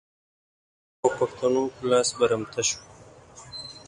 په طالبانو او پښتنو په لاس برمته شوه.